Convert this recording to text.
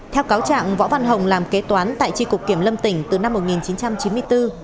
theo cáo trạng võ văn hồng làm kế toán tại tri cục kiểm lâm tỉnh từ năm một nghìn chín trăm chín mươi bốn